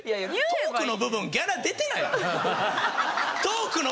トークの部分はギャラ出ないの？